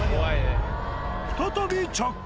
再び着火。